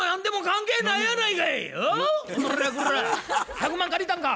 １００万借りたんか？